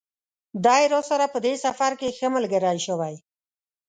دی راسره په دې سفر کې ښه ملګری شوی.